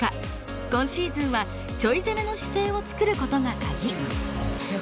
今シーズンはちょい攻めの姿勢を作る事がカギ。